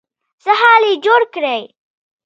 څه حال يې جوړ کړی.